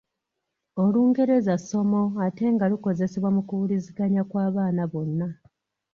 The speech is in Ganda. Olungereza ssomo ate nga lukozesebwa mu kuwuliziganya kw'abaana bonna.